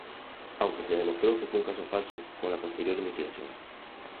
Aunque se demostró que fue un caso falso con la posterior investigación.